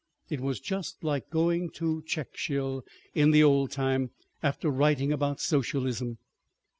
It was just like going to Checkshill in the old time, after writing about socialism.